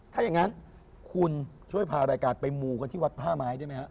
ถ้าอย่างนั้นคุณช่วยพารายการไปมูกันที่วัดท่าไม้ได้ไหมฮะ